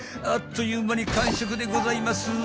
［あっという間に完食でございます！］